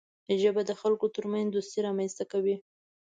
ژبه د خلکو ترمنځ دوستي رامنځته کوي